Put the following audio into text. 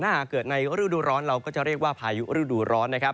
ถ้าหากเกิดในฤดูร้อนเราก็จะเรียกว่าพายุฤดูร้อนนะครับ